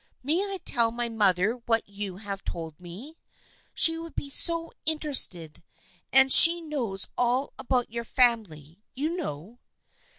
May I tell my mother what you have told me ? She would be so interested, and she knows all about your family, you know."